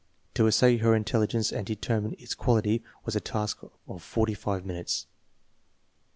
To assay her intelligence and deter mine its quality was a task of forty five minutes.